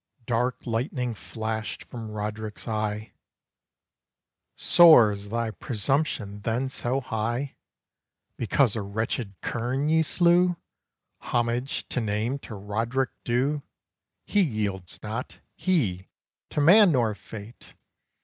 Dark lightning flashed from Roderick's eye "Soars thy presumption, then, so high, Because a wretched kern ye slew, Homage to name to Roderick Dhu? He yields not, he, to man nor Fate!